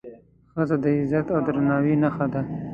ښځه د عزت او درناوي نښه ده.